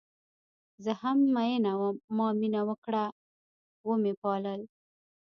زه هم میینه وم ما مینه وکړه وه مې پالل